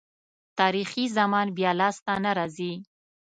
تاریخي زمان بیا لاسته نه راځي.